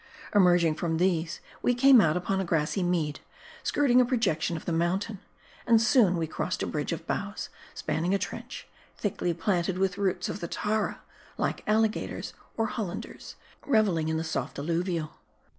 Emerging from these, we came out upon a grassy mead, skirting a projection of the mountain. And soon we crossed a bridge of boughs, spanning a trench, thickly planted with roots of the Tara, like alligators, or Hollanders, revel ing in the soft alluvial.